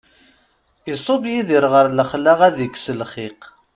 Iṣubb Yidir ɣer lexla ad ikkes lxiq.